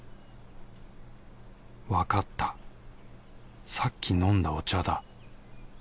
わかったさっき飲んだお茶だ。